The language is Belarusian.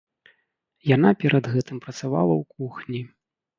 Яна перад гэтым працавала ў кухні.